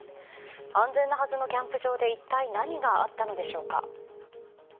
安全なはずのキャンプ場で一体何があったのでしょうか。